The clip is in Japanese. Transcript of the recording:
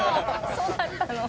そうだったの？